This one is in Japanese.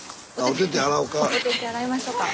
お手々洗いましょうか。